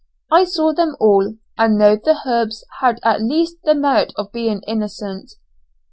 I saw them all, and know the herbs had at least the merit of being innocent.